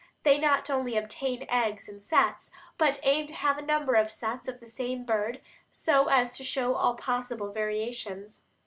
They not only obtain eggs in sets, but aim to have a number of sets of the same bird so as to show all possible variations.